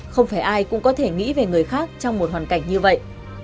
không phải ai cũng có thể nghĩ về người khác trong một hoàn cảnh như vậy